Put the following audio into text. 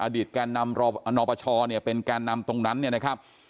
แกนนำนปชเนี่ยเป็นแกนนำตรงนั้นเนี่ยนะครับ